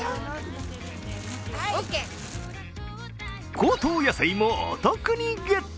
高騰野菜もお得にゲット。